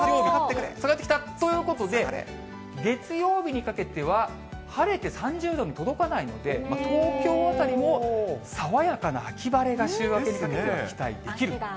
下がってきた、ということで、月曜日にかけては晴れて３０度に届かないので、東京辺りも爽やかな秋晴れが週明けにかけては期待できる。